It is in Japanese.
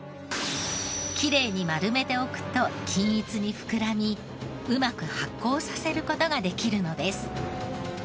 きれいに丸めておくと均一に膨らみうまく発酵させる事ができるのです。